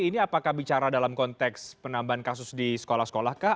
ini apakah bicara dalam konteks penambahan kasus di sekolah sekolah kah